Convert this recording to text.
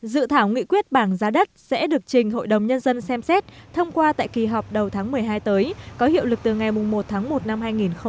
dự thảo nghị quyết bảng giá đất sẽ được trình hội đồng nhân dân xem xét thông qua tại kỳ họp đầu tháng một mươi hai tới có hiệu lực từ ngày một tháng một năm hai nghìn hai mươi